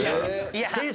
いや！